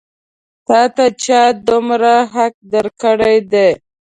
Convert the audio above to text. تا ته چا دومره حق درکړی دی؟